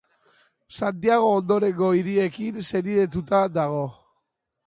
Santiago ondorengo hiriekin senidetuta dago.